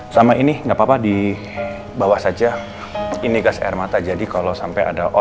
dan pesan yang ber broadcast ini dadah